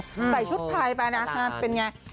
ใส่ชุดไทยไปนะเป็นไง